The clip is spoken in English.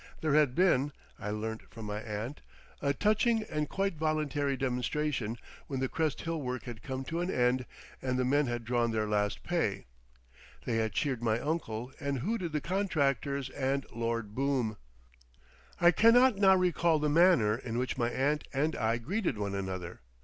There had been, I learnt from my aunt, a touching and quite voluntary demonstration when the Crest Hill work had come to an end and the men had drawn their last pay; they had cheered my uncle and hooted the contractors and Lord Boom. I cannot now recall the manner in which my aunt and I greeted one another.